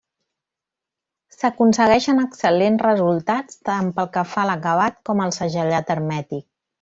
S'aconsegueixen excel·lents resultats tant pel que fa a l'acabat com al segellat hermètic.